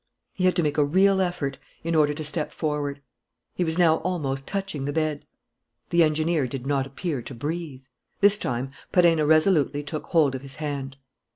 He had to make a real effort in order to step forward. He was now almost touching the bed. The engineer did not appear to breathe. This time, Perenna resolutely took hold of his hand.